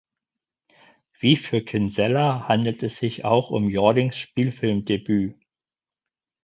Wie für Kinsella handelt es sich auch um Jordings Spielfilmdebüt.